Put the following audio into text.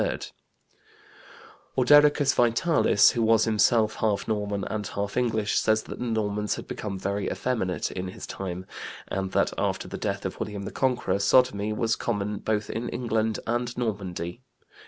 Ordericus Vitalis, who was himself half Norman and half English, says that the Normans had become very effeminate in his time, and that after the death of William the Conqueror sodomy was common both in England and Normandy.